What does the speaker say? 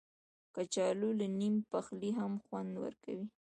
کچالو له نیم پخلي هم خوند ورکوي